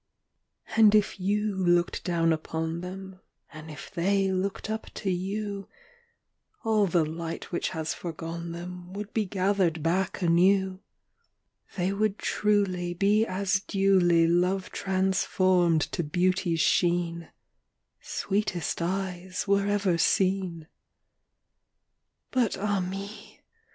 V. And if you looked down upon them, And if they looked up to you, All the light which has foregone them Would be gathered back anew: They would truly Be as duly Love transformed to beauty's sheen, "Sweetest eyes were ever seen." VI. But, ah me!